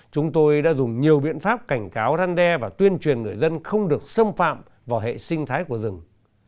chúng tôi đã dùng nhiều biện pháp cảnh cáo răn đe và tuyên truyền người dân không được xâm phạm vào hệ sinh thái của rừng